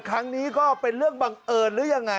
ครั้งนี้ก็เป็นเรื่องบังเอิญหรือยังไง